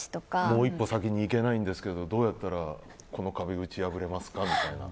もう一歩先にいけないんですけどどうやったらこの壁を破れますかみたいな。